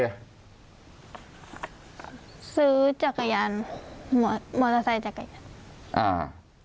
ซื้อจักรยานมอเตอร์ไซค์จักรยานอ่า